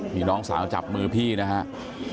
นี่น้องสาวจับมือพี่นะครับ